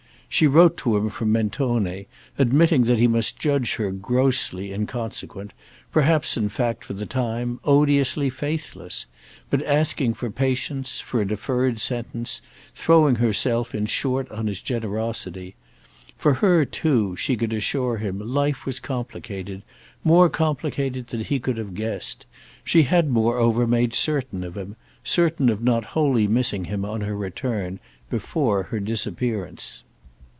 She wrote to him from Mentone, admitting that he must judge her grossly inconsequent—perhaps in fact for the time odiously faithless; but asking for patience, for a deferred sentence, throwing herself in short on his generosity. For her too, she could assure him, life was complicated—more complicated than he could have guessed; she had moreover made certain of him—certain of not wholly missing him on her return—before her disappearance.